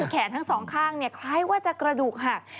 แขนทั้งสองข้างคล้ายว่าจะกระดูกหัก